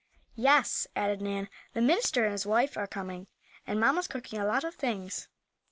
"Yes," added Nan, "the minister and his wife are coming, and mamma's cooking a lot of things."